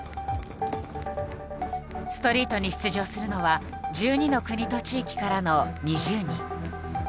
ストリートに出場するのは１２の国と地域からの２０人。